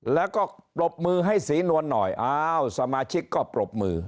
แล้วก็ปรบมือให้ศรีนวลหน่อยอ้าวสมาชิกก็ปรบมือ